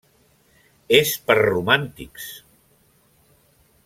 És per romàntics.